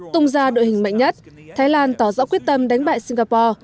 tung ra đội hình mạnh nhất thái lan tỏ rõ quyết tâm đánh bại singapore